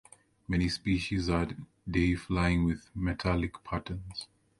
Many species are day-flying with metallic patterns.